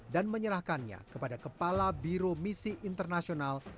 dan menyerahkannya kepada kepala biro misi internasional